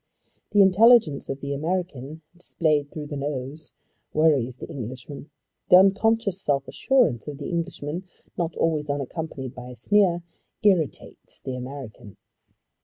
The intelligence of the American, displayed through the nose, worries the Englishman. The unconscious self assurance of the Englishman, not always unaccompanied by a sneer, irritates the American.